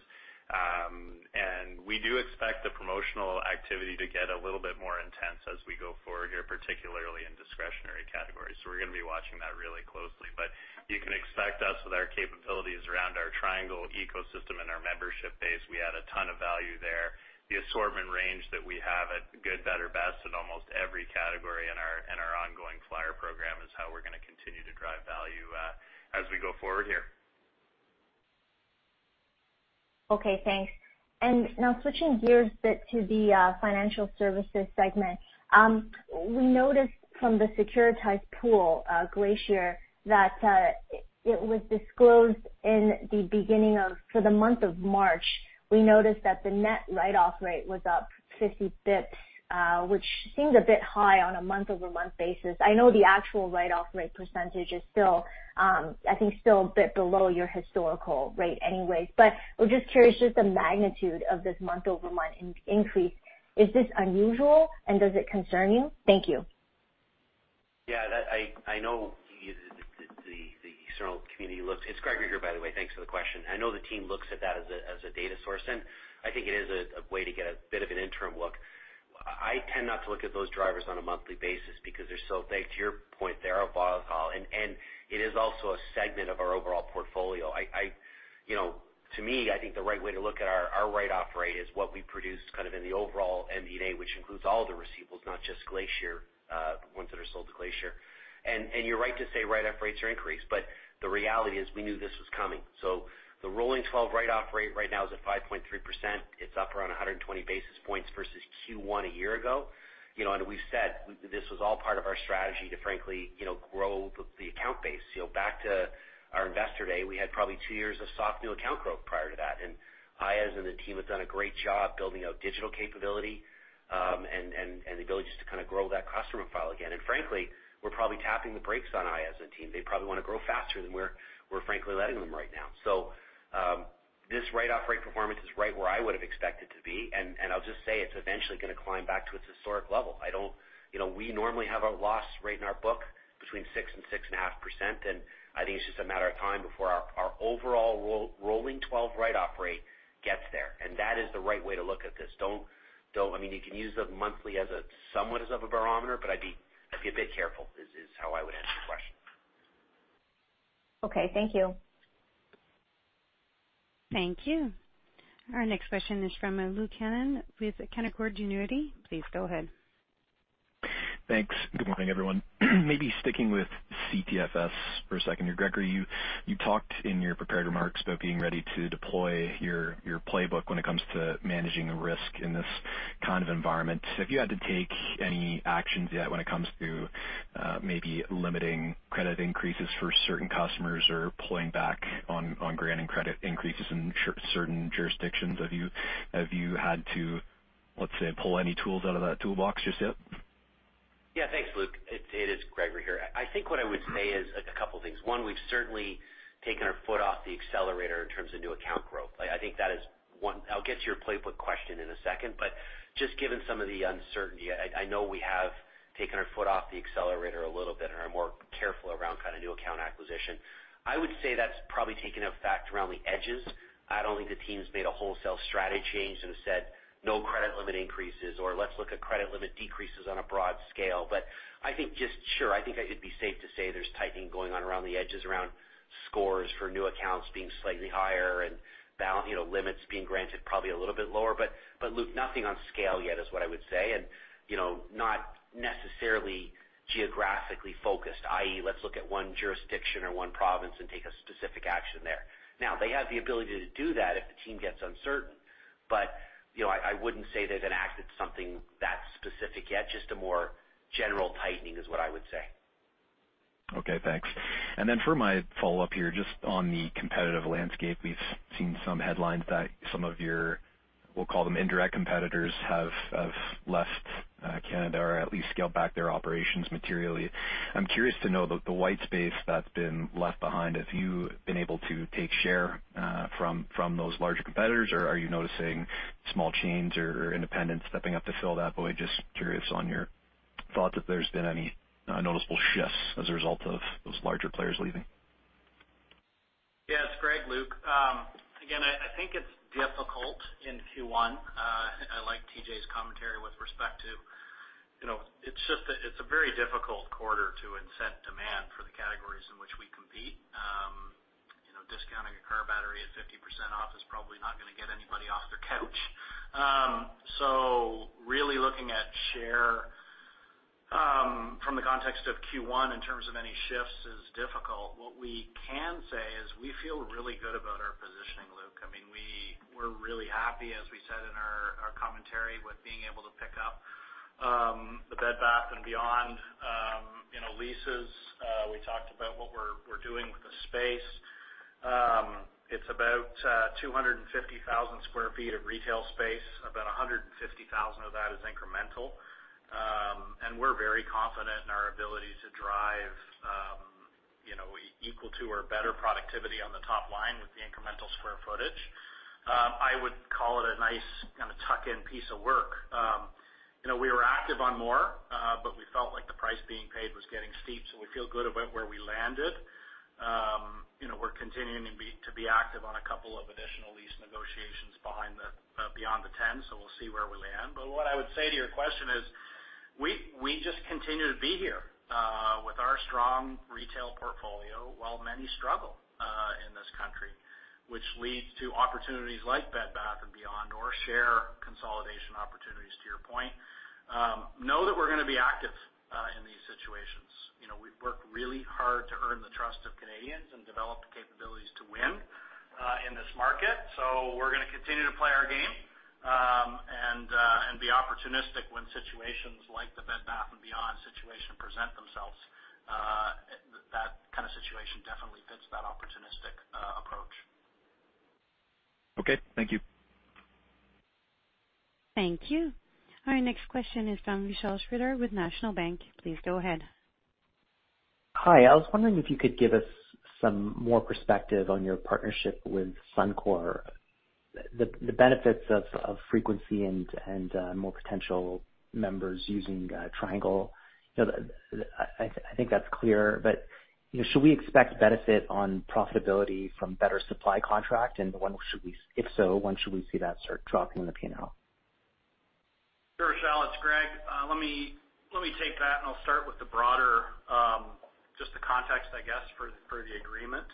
[SPEAKER 6] We do expect the promotional activity to get a little bit more intense as we go forward here, particularly in discretionary categories. We're gonna be watching that really closely. You can expect us with our capabilities around our Triangle ecosystem and our membership base, we add a ton of value there. The assortment range that we have at Good, Better, Best in almost every category in our ongoing flyer program is how we're gonna continue to drive value as we go forward here.
[SPEAKER 7] Okay, thanks. Now switching gears a bit to the financial services segment. We noticed from the securitized pool, Glacier, that it was disclosed for the month of March, we noticed that the net write-off rate was up 50 basis points, which seems a bit high on a month-over-month basis. I know the actual write-off rate percentage is still, I think still a bit below your historical rate anyways. I'm just curious, just the magnitude of this month-over-month increase. Is this unusual, and does it concern you? Thank you.
[SPEAKER 3] Yeah, that I know the external community looks. It's Gregory here, by the way. Thanks for the question. I know the team looks at that as a data source, and I think it is a way to get a bit of an interim look. I tend not to look at those drivers on a monthly basis because they're so thanks to your point, they're volatile. It is also a segment of our overall portfolio. I you know.
[SPEAKER 4] To me, I think the right way to look at our write-off rate is what we produce kind of in the overall MD&A, which includes all of the receivables, not just Glacier, ones that are sold to Glacier. You're right to say write-off rates are increased, but the reality is we knew this was coming. The rolling 12 write-off rate right now is at 5.3%. It's up around 120 basis points versus Q1 a year ago. You know, we've said this was all part of our strategy to frankly, you know, grow the account base. You know, back to our Investor Day, we had probably two years of soft new account growth prior to that. Aayaz and the team have done a great job building out digital capability, and the ability just to kind of grow that customer file again. Frankly, we're probably tapping the brakes on Aayaz and team. They probably want to grow faster than we're frankly letting them right now. This write-off rate performance is right where I would have expected to be. I'll just say it's eventually going to climb back to its historic level. You know, we normally have a loss rate in our book between 6 and 6.5%, and I think it's just a matter of time before our overall rolling 12 write-off rate gets there. That is the right way to look at this. I mean, you can use the monthly as a somewhat as of a barometer, but I'd be a bit careful, is how I would answer your question.
[SPEAKER 7] Okay. Thank you.
[SPEAKER 1] Thank you. Our next question is from Luke Hannan with Canaccord Genuity. Please go ahead.
[SPEAKER 8] Thanks. Good morning, everyone. Maybe sticking with CTFS for a second here. Gregory, you talked in your prepared remarks about being ready to deploy your playbook when it comes to managing risk in this kind of environment. Have you had to take any actions yet when it comes to maybe limiting credit increases for certain customers or pulling back on granting credit increases in certain jurisdictions? Have you had to, let's say, pull any tools out of that toolbox just yet?
[SPEAKER 4] Yeah. Thanks, Luke. It is Gregory here. I think what I would say is a couple things. One, we've certainly taken our foot off the accelerator in terms of new account growth. I think that is one. I'll get to your playbook question in a second, but just given some of the uncertainty, I know we have taken our foot off the accelerator a little bit and are more careful around kind of new account acquisition. I would say that's probably taken effect around the edges. I don't think the team's made a wholesale strategy change and said, "No credit limit increases," or, "Let's look at credit limit decreases on a broad scale." I think just, sure, I think it'd be safe to say there's tightening going on around the edges around scores for new accounts being slightly higher and you know, limits being granted probably a little bit lower. Luke, nothing on scale yet is what I would say. You know, not necessarily geographically focused, i.e., let's look at one jurisdiction or one province and take a specific action there. Now they have the ability to do that if the team gets uncertain, but, you know, I wouldn't say they've enacted something that specific yet, just a more general tightening is what I would say.
[SPEAKER 8] Okay, thanks. For my follow-up here, just on the competitive landscape, we've seen some headlines that some of your, we'll call them indirect competitors, have left Canada or at least scaled back their operations materially. I'm curious to know the white space that's been left behind, have you been able to take share from those larger competitors, or are you noticing small chains or independents stepping up to fill that void? Just curious on your thought if there's been any noticeable shifts as a result of those larger players leaving.
[SPEAKER 3] Yes. Greg, Luke. Again, I think it's difficult in Q1. I like TJ's commentary with respect to, you know, it's a very difficult quarter to incent demand for the categories in which we compete. You know, discounting a car battery at 50% off is probably not gonna get anybody off their couch. Really looking at share from the context of Q1 in terms of any shifts is difficult. What we can say is we feel really good about our positioning, Luke. I mean, we're really happy, as we said in our commentary, with being able to pick up the Bed Bath & Beyond, you know, leases. We talked about what we're doing with the space. It's about 250,000 sq ft of retail space. About 150,000 of that is incremental. We're very confident in our ability to drive, you know, equal to or better productivity on the top line with the incremental square footage. I would call it a nice kind of tuck-in piece of work. You know, we were active on more, but we felt like the price being paid was getting steep, so we feel good about where we landed. You know, we're continuing to be active on a couple of additional lease negotiations beyond the 10, so we'll see where we land. What I would say to your question is we just continue to be here with our strong retail portfolio while many struggle in this country, which leads to opportunities like Bed Bath & Beyond or share consolidation opportunities, to your point. Know that we're gonna be active in these situations. You know, we've worked really hard to earn the trust of Canadians and develop the capabilities to win in this market. We're gonna continue to play our game and be opportunistic when situations like the Bed Bath & Beyond situation present themselves. That kind of situation definitely fits that opportunistic approach.
[SPEAKER 8] Okay. Thank you.
[SPEAKER 1] Thank you. Our next question is from Vishal Shreedhar with National Bank Financial. Please go ahead.
[SPEAKER 9] Hi. I was wondering if you could give us some more perspective on your partnership with Suncor. The benefits of frequency and more potential members using Triangle. You know, I think that's clear, but, you know, should we expect benefit on profitability from better supply contract, and if so, when should we see that start dropping in the P&L?
[SPEAKER 3] Sure, Vishal, it's Greg. let me take that, and I'll start with the broader, just the context, I guess, for the agreement.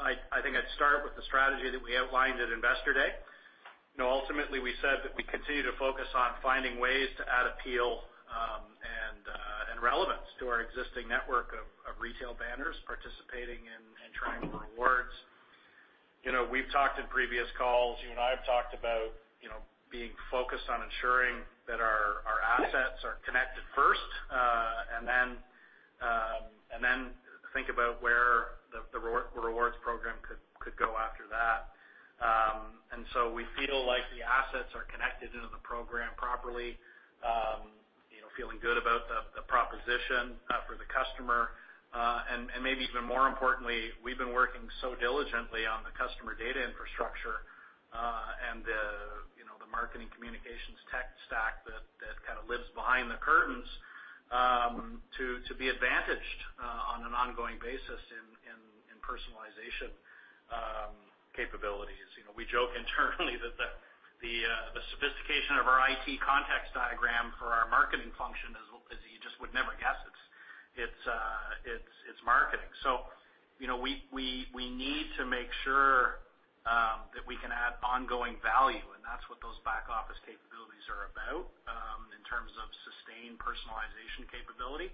[SPEAKER 3] I think I'd start with the strategy that we outlined at Investor Day. You know, ultimately, we said that we continue to focus on finding ways to add appeal and relevance to our existing network of retail banners participating in Triangle Rewards. You know, we've talked in previous calls, you and I have talked about, you know, being focused on ensuring that our assets are connected first, and then think about where the Rewards program could go after that. So we feel like the assets are connected into the program properly. You know, feeling good about the proposition for the customer. Maybe even more importantly, we've been working so diligently on the customer data infrastructure, and the, you know, the marketing communications tech stack that kind of lives behind the curtains, to be advantaged on an ongoing basis in personalization capabilities. You know, we joke internally that the sophistication of our I.T. context diagram for our marketing function is you just would never guess it's marketing. You know, we need to make sure that we can add ongoing value, and that's what those back office capabilities are about in terms of sustained personalization capability.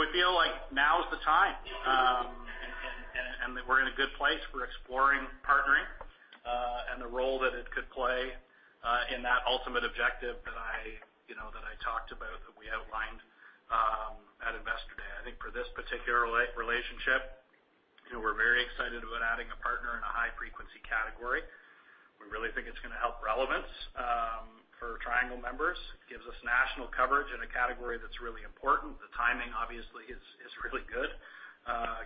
[SPEAKER 3] We feel like now is the time, and that we're in a good place for exploring partnering, and the role that it could play in that ultimate objective that I, you know, that I talked about, that we outlined at Investor Day. I think for this particular relationship, you know, we're very excited about adding a partner in a high-frequency category. We really think it's gonna help relevance for Triangle members. It gives us national coverage in a category that's really important. The timing obviously is really good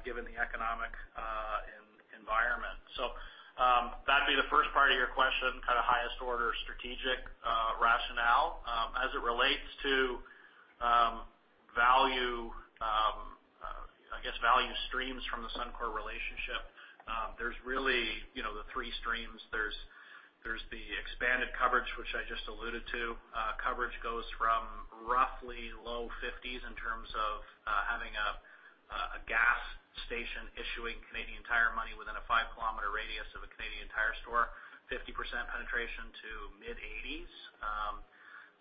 [SPEAKER 3] given the economic environment. That'd be the first part of your question, kind of highest order strategic rationale. As it relates to value, I guess value streams from the Suncor relationship, there's really, you know, the three streams. There's the expanded coverage, which I just alluded to. Coverage goes from roughly low 50s in terms of having a gas station issuing Canadian Tire Money within a 5-kilometer radius of a Canadian Tire store, 50% penetration to mid-80s.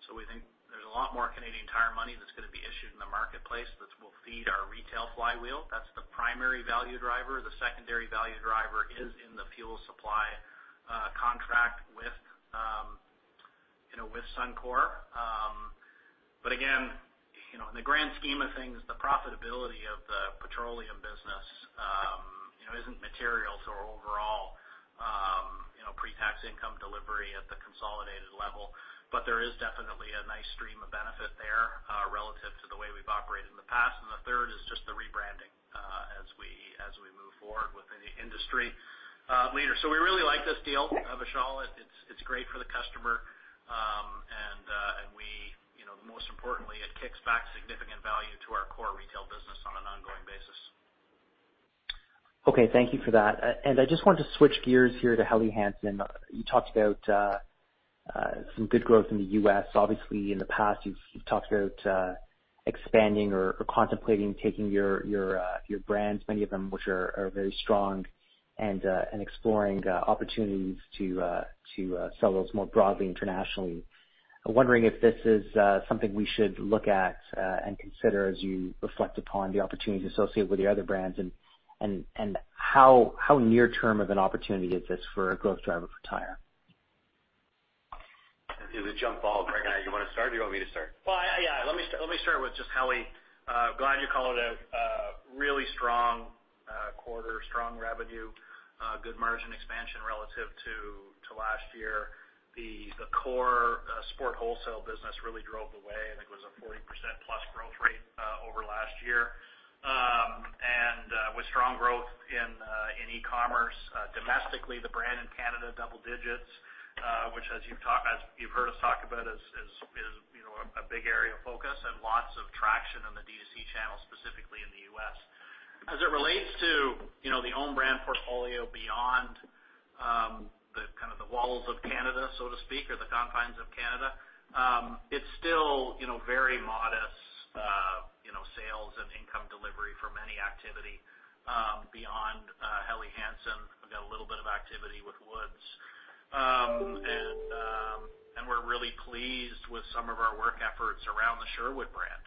[SPEAKER 3] So we think there's a lot more Canadian Tire Money that's gonna be issued in the marketplace that will feed our retail flywheel. That's the primary value driver. The secondary value driver is in the fuel supply contract with, you know, with Suncor. Again, you know, in the grand scheme of things, the profitability of the petroleum business, you know, isn't material to our overall, you know, pre-tax income delivery at the consolidated level. But there is definitely a nice stream of benefit there relative to the way we've operated in the past. The third is just the rebranding, as we, as we move forward with an industry leader. We really like this deal, Vishal. It's, it's great for the customer. And we, you know, most importantly, it kicks back significant value to our core retail business on an ongoing basis.
[SPEAKER 9] Okay. Thank you for that. I just wanted to switch gears here to Helly Hansen. You talked about some good growth in the U.S. Obviously, in the past you've talked about expanding or contemplating taking your brands, many of them which are very strong and exploring opportunities to sell those more broadly internationally. I'm wondering if this is something we should look at and consider as you reflect upon the opportunities associated with your other brands and how near term of an opportunity is this for a growth driver for Tire?
[SPEAKER 3] It's a jump ball. Greg, you wanna start, or do you want me to start? Let me start with just Helly. glad you called it a really strong quarter, strong revenue, good margin expansion relative to last year. The core sport wholesale business really drove away. I think it was a 40% plus growth rate over last year. with strong growth in e-commerce, domestically, the brand in Canada, double digits, which as you've heard us talk about is, you know, a big area of focus and lots of traction on the D2C channel, specifically in the U.S. As it relates to, you know, the own brand portfolio beyond, the kind of the walls of Canada, so to speak, or the confines of Canada, it's still, you know, very modest, you know, sales and income delivery from any activity, beyond Helly Hansen. We've got a little bit of activity with Woods. We're really pleased with some of our work efforts around the Sherwood brand,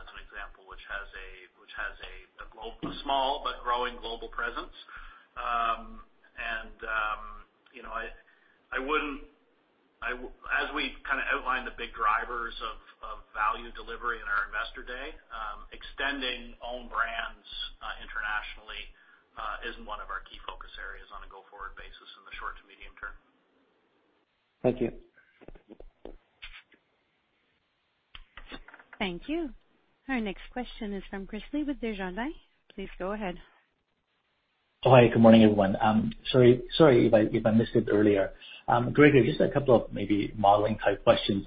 [SPEAKER 3] as an example, which has a global, a small but growing global presence. You know, I wouldn't as we kind of outlined the big drivers of value delivery in our Investor Day, extending own brands, internationally, isn't one of our key focus areas on a go-forward basis in the short to medium term.
[SPEAKER 9] Thank you.
[SPEAKER 1] Thank you. Our next question is from Chris Lee with Desjardins. Please go ahead.
[SPEAKER 10] Hi. Good morning, everyone. Sorry if I missed it earlier. Gregory, just a couple of maybe modeling type questions.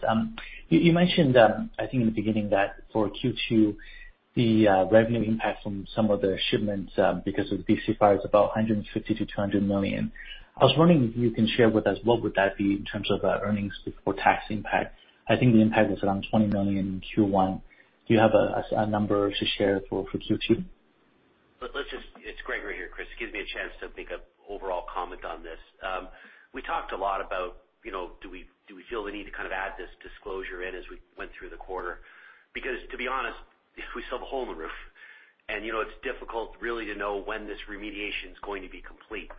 [SPEAKER 10] You mentioned, I think in the beginning that for Q2, the revenue impact from some of the shipments because of DC fires, about 150 million-200 million. I was wondering if you can share with us what would that be in terms of earnings before tax impact. I think the impact was around 20 million in Q1. Do you have a number to share for Q2?
[SPEAKER 4] It's Gregory here, Chris. Gives me a chance to make a overall comment on this. We talked a lot about, you know, do we feel the need to kind of add this disclosure in as we went through the quarter? To be honest, we still have a hole in the roof. You know, it's difficult really to know when this remediation is going to be complete.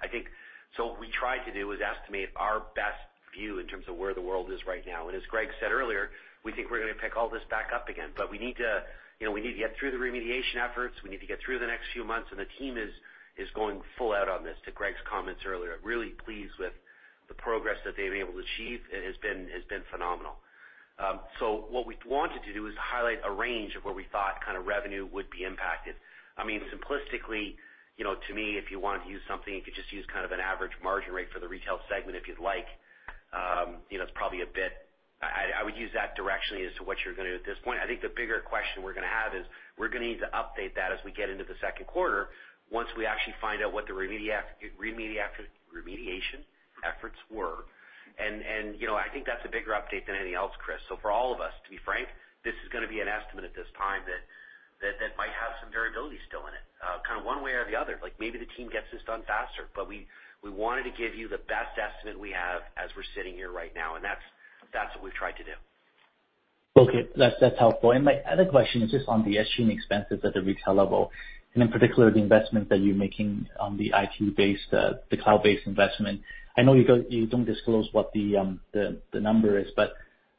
[SPEAKER 4] What we tried to do is estimate our best view in terms of where the world is right now. As Greg said earlier, we think we're gonna pick all this back up again. We need to, you know, we need to get through the remediation efforts. We need to get through the next few months, and the team is going full out on this, to Greg's comments earlier. Really pleased with the progress that they've been able to achieve. It's been phenomenal. What we wanted to do is highlight a range of where we thought kind of revenue would be impacted. I mean, simplistically, you know, to me, if you want to use something, you could just use kind of an average margin rate for the retail segment if you'd like. You know, it's probably a bit. I would use that directionally as to what you're gonna do at this point. I think the bigger question we're gonna have is we're gonna need to update that as we get into the Q2 once we actually find out what the remediation efforts were. I think that's a bigger update than anything else, Chris. For all of us, to be frank, this is gonna be an estimate at this time that might have some variability still in it, kind of one way or the other. Like maybe the team gets this done faster. We wanted to give you the best estimate we have as we're sitting here right now, and that's what we've tried to do.
[SPEAKER 10] That's helpful. My other question is just on the SG&A expenses at the retail level, and in particular, the investment that you're making on the IT-based, the cloud-based investment. I know you don't disclose what the number is, but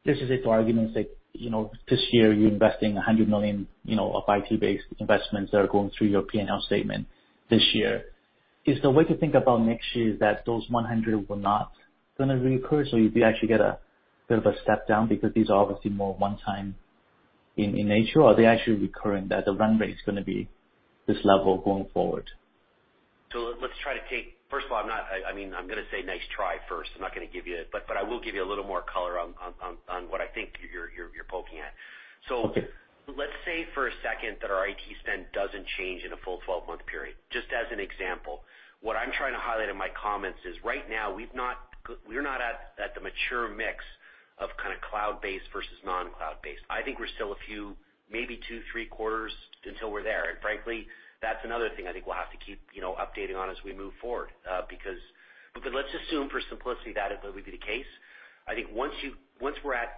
[SPEAKER 10] let's just say for argument's sake, you know, this year you're investing $100 million, you know, of IT-based investments that are going through your P&L statement this year. Is the way to think about next year is that those $100 million will not gonna reoccur, so you do actually get a bit of a step down because these are obviously more one time in nature? Are they actually recurring, that the run rate is gonna be this level going forward?
[SPEAKER 4] Let's try to take. First of all, I'm not. I mean, I'm gonna say nice try first. I'm not gonna give you. I will give you a little more color on what I think you're poking at. Let's say for a second that our IT spend doesn't change in a full 12-month period, just as an example. What I'm trying to highlight in my comments is right now, we've not, we're not at the mature mix of kind of cloud-based versus non-cloud-based. I think we're still a few, maybe two, three quarters until we're there. Frankly, that's another thing I think we'll have to keep, you know, updating on as we move forward, because. Let's assume for simplicity that it will be the case. I think once we're at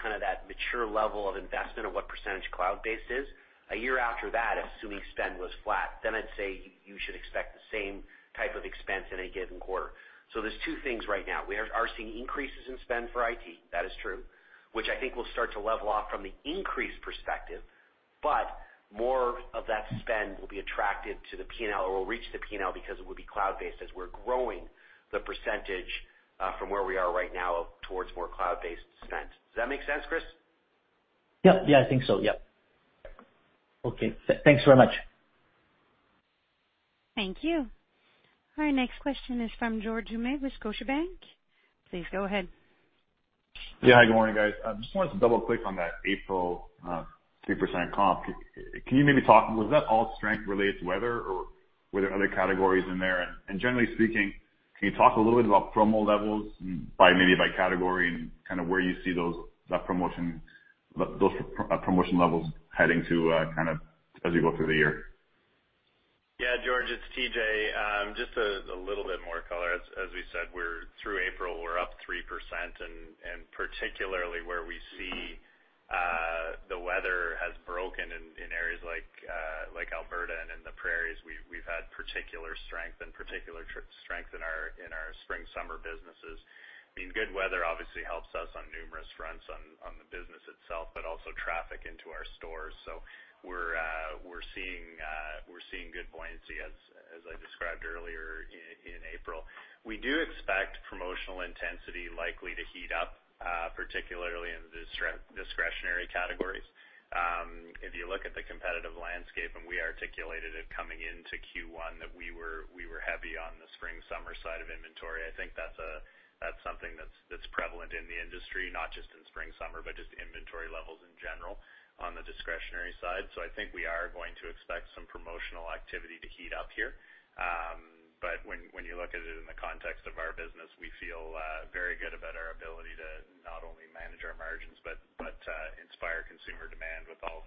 [SPEAKER 4] kind of that mature level of investment of what percentage cloud-based is, a year after that, assuming spend was flat, then I'd say you should expect the same type of expense in any given quarter. There's two things right now. We are seeing increases in spend for IT, that is true, which I think will start to level off from the increase perspective, but more of that spend will be attracted to the P&L or will reach the P&L because it will be cloud-based as we're growing the percentage from where we are right now towards more cloud-based spend. Does that make sense, Chris?
[SPEAKER 10] Yep. Yeah, I think so. Yep. Okay. Thanks very much.
[SPEAKER 1] Thank you. Our next question is from George Doumet with Scotiabank. Please go ahead.
[SPEAKER 11] Yeah. Good morning, guys. I just wanted to double-click on that April 3% comp. Can you maybe talk, was that all strength related to weather or were there other categories in there? Generally speaking, can you talk a little bit about promo levels by, maybe by category and kind of where you see those promotion levels heading to, kind of as we go through the year?
[SPEAKER 6] Yeah, George, it's TJ. Just a little bit more color. As we said, through April, we're up 3%, and particularly where we see the weather has broken in areas like Alberta and in the Prairies, we've had particular strength and particular strength in our spring, summer businesses. I mean, good weather obviously helps us on numerous fronts on the business itself, but also traffic into our stores. We're seeing good buoyancy as I described earlier in April. We do expect promotional intensity likely to heat up, particularly in the discretionary categories. If you look at the competitive landscape, and we articulated it coming into Q1 that we were heavy on the spring, summer side of inventory. I think that's something that's prevalent in the industry, not just in spring, summer, but just inventory levels in general on the discretionary side. I think we are going to expect some promotional activity to heat up here. When you look at it in the context of our business, we feel very good about our ability to not only manage our margins, but inspire consumer demand with all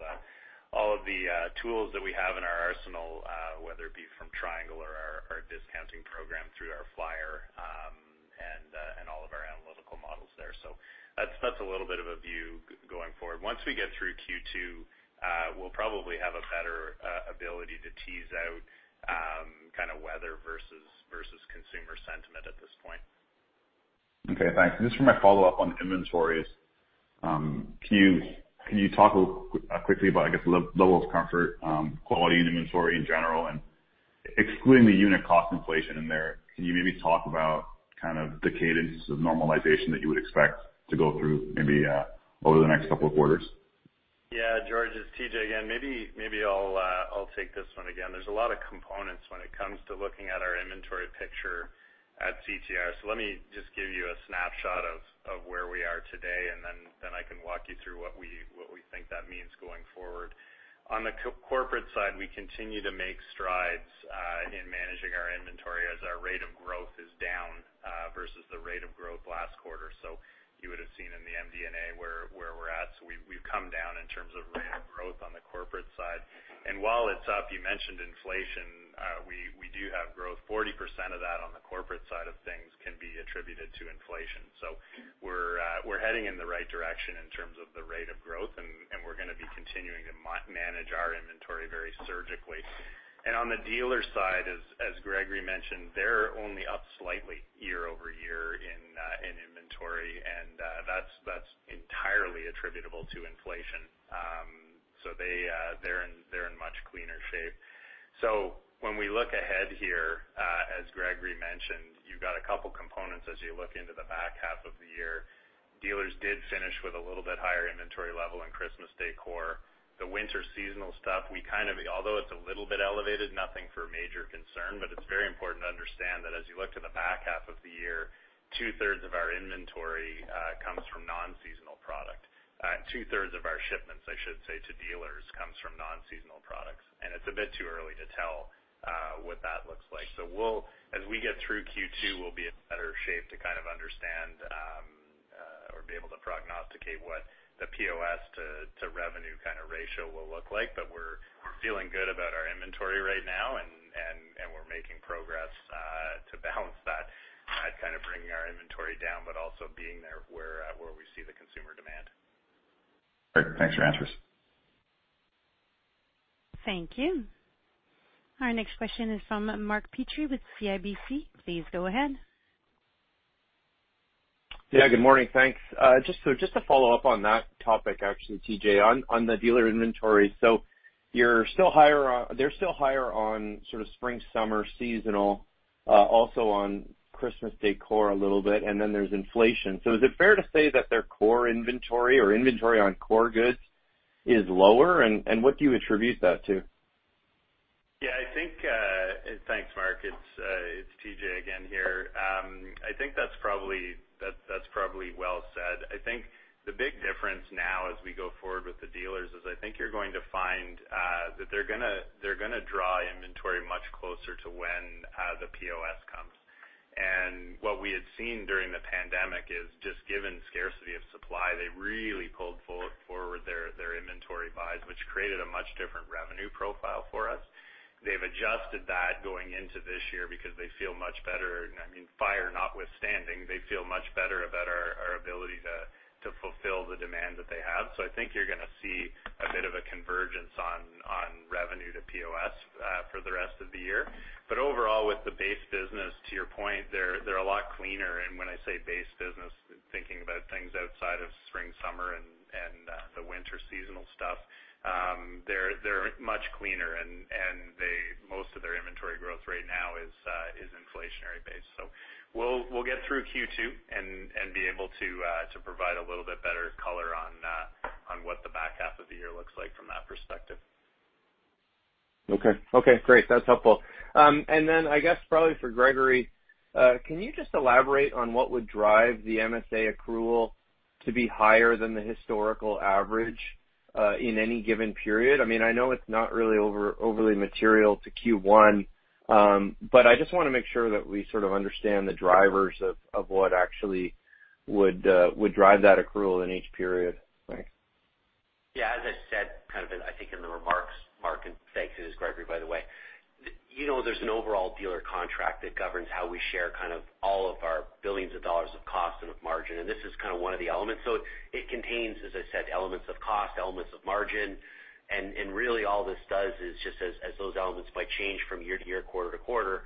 [SPEAKER 6] of the tools that we have in our arsenal, whether it be from Triangle or our discounting program through our flyer, and all of our analytical models there. That's a little bit of a view going forward. Once we get through Q2, we'll probably have a better, ability to tease out, kinda weather versus consumer sentiment at this point.
[SPEAKER 11] Okay, thanks. Just for my follow-up on inventories, can you talk a little quickly about, I guess, the level of comfort, quality and inventory in general? Excluding the unit cost inflation in there, can you maybe talk about kind of the cadence of normalization that you would expect to go through maybe over the next couple of quarters?
[SPEAKER 6] Yeah, George, it's TJ again. Maybe I'll take this one again. There's a lot of components when it comes to looking at our inventory picture at CTR. Let me just give you a snapshot of where we are today, and then I can walk you through what we think that means going forward. On the corporate side, we continue to make strides in managing our inventory as our rate of growth is down versus the rate of growth last quarter. You would have seen in the MD&A where we're at. We've come down in terms of rate of growth on the corporate side. While it's up, you mentioned inflation, we do have growth. 40% of that on the corporate side of things can be attributed to inflation. We're heading in the right direction in terms of the rate of growth, and we're gonna be continuing to manage our inventory very surgically. On the dealer side, as Gregory mentioned, they're only up slightly year-over-year in inventory, and that's entirely attributable to inflation. They're in much cleaner shape. When we look ahead here, as Gregory mentioned, you've got a couple components as you look into the back half of the year. Dealers did finish with a little bit higher inventory level in Christmas decor. The winter seasonal stuff, although it's a little bit elevated, nothing for major concern, but it's very important to understand that as you look to the back half of the year, two-thirds of our inventory comes from non-seasonal product. Two-thirds of our shipments, I should say, to dealers, comes from non-seasonal products. It's a bit too early to tell what that looks like. As we get through Q2, we'll be in better shape to kind of understand or be able to prognosticate what the POS to revenue kinda ratio will look like. We're feeling good about our inventory right now and we're making progress to balance that kind of bringing our inventory down, but also being there where we see the consumer demand.
[SPEAKER 12] Great. Thanks for your answers.
[SPEAKER 1] Thank you. Our next question is from Mark Petrie with CIBC. Please go ahead.
[SPEAKER 12] Yeah, good morning. Thanks. Just to follow up on the topic actually, TJ, on the dealer inventory. They're still higher on sort of spring, summer, seasonal, also on Christmas decor a little bit, and then there's inflation. Is it fair to say that their core inventory or inventory on core goods is lower? And what do you attribute that to?
[SPEAKER 6] Yeah, Thanks, Mark. It's TJ again here. I think that's probably well said. I think the big difference now as we go forward with the dealers is I think you're going to find that they're gonna draw inventory much closer to when the POS comes. What we had seen during the pandemic is just given scarcity of supply, they really pulled forward their inventory buys, which created a much different revenue profile for us. They've adjusted that going into this year because they feel much better. I mean, fire notwithstanding, they feel much better about our ability to fulfill the demand that they have. I think you're gonna see a bit of a convergence on revenue to POS for the rest of the year. Overall, with the base business, to your point, they're a lot cleaner. When I say base business, thinking about things outside of spring, summer, and the winter seasonal stuff, they're much cleaner and most of their inventory growth right now is inflationary based. We'll get through Q2 and be able to provide a little bit better color on what the back half of the year looks like from that perspective.
[SPEAKER 12] Okay. Okay, great. That's helpful. Then I guess probably for Gregory, can you just elaborate on what would drive the MSA accrual to be higher than the historical average in any given period? I mean, I know it's not really overly material to Q1, but I just wanna make sure that we sort of understand the drivers of what actually would drive that accrual in each period. Thanks.
[SPEAKER 4] Yeah. As I said, kind of I think in the remarks, Mark, and thanks. It is Gregory, by the way. You know, there's an overall dealer contract that governs how we share kind of all of our billions of CAD of cost and of margin, and this is kinda one of the elements. It contains, as I said, elements of cost, elements of margin. Really all this does is just as those elements might change from year to year, quarter to quarter,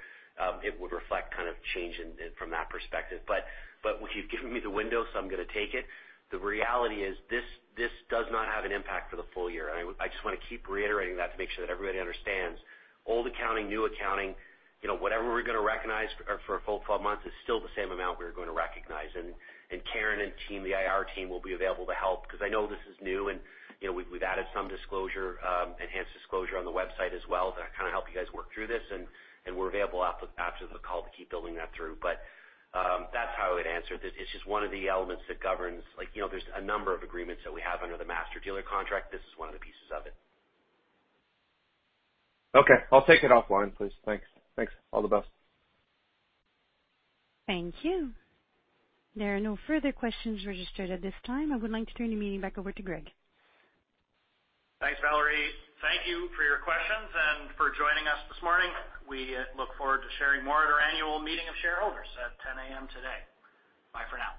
[SPEAKER 4] it would reflect kind of change in from that perspective. What you've given me the window, so I'm gonna take it, the reality is this does not have an impact for the full year. I just wanna keep reiterating that to make sure that everybody understands. Old accounting, new accounting, you know, whatever we're going to recognize for a full 12 months is still the same amount we're going to recognize. Karen and team, the IR team, will be available to help 'cause I know this is new and, you know, we've added some disclosure, enhanced disclosure on the website as well to kinda help you guys work through this. We're available after the call to keep building that through. That's how I would answer. This is just one of the elements that governs like, you know, there's a number of agreements that we have under the master dealer contract. This is one of the pieces of it.
[SPEAKER 12] Okay. I'll take it offline, please. Thanks. Thanks. All the best.
[SPEAKER 1] Thank you. There are no further questions registered at this time. I would like to turn the meeting back over to Greg.
[SPEAKER 3] Thanks, Valerie. Thank you for your questions and for joining us this morning. We look forward to sharing more at our annual meeting of shareholders at 10:00 A.M. today. Bye for now.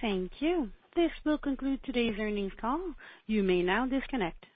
[SPEAKER 1] Thank you. This will conclude today's earnings call. You may now disconnect.